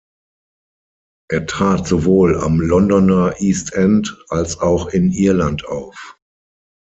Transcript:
Er trat sowohl am Londoner East End als auch in Irland auf.